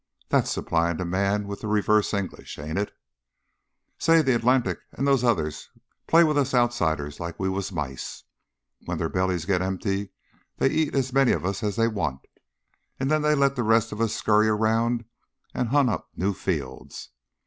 That's supply and demand with the reverse English, ain't it? Say, the Atlantic and those others play with us outsiders like we was mice. When their bellies get empty they eat as many of us as they want, then they let the rest of us scurry around and hunt up new fields.